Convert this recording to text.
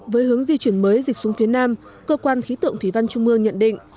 với hướng di chuyển mới dịch xuống phía nam cơ quan khí tượng thủy văn trung ương nhận định